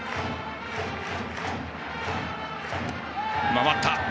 回った。